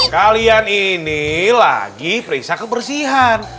kalian ini lagi periksa kebersihan